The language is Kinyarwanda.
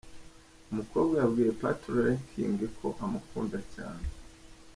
Umukobwa yabwiye Patoranking ko amukunda cyane.